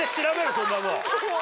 そんなもん。